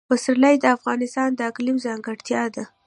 پسرلی د افغانستان د اقلیم ځانګړتیا ده.